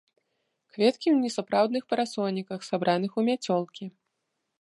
Кветкі ў несапраўдных парасоніках, сабраных у мяцёлкі.